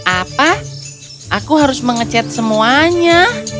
apa aku harus mengecek semuanya